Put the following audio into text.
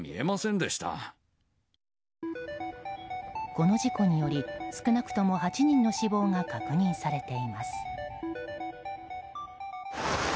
この事故により少なくとも８人の死亡が確認されています。